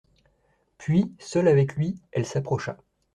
Puis, seule avec lui, elle s'approcha.